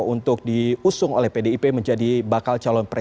untuk diusung oleh pdip menjadi bakal calon presiden